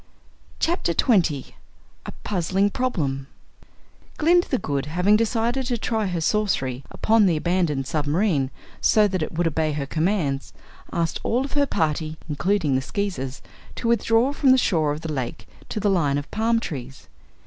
Chapter Twenty A Puzzling Problem Glinda the Good, having decided to try her sorcery upon the abandoned submarine, so that it would obey her commands, asked all of her party, including the Skeezers, to withdraw from the shore of the lake to the line of palm trees.